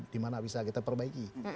di mana bisa kita perbaiki